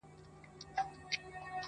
ما پخوا لا طبیبان وه رخصت کړي-